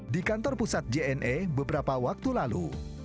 di kantor pusat jne beberapa waktu lalu